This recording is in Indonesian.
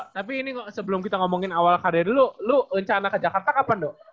tapi ini sebelum kita ngomongin awal karir lo lo rencana ke jakarta kapan do